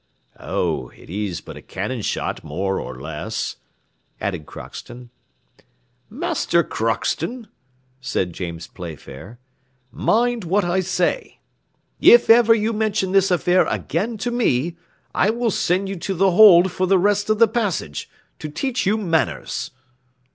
"Oh, it is but a cannon shot more or less!" added Crockston. "Master Crockston," said James Playfair, "mind what I say: if ever you mention this affair again to me, I will send you to the hold for the rest of the passage, to teach you manners."